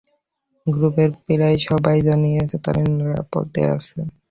গ্রুপের প্রায় সবাই জানিয়েছে তারা নিরাপদে আছে।